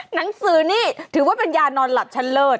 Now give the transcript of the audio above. หนังสือนี่ถือว่าเป็นยานอนหลับชั้นเลิศ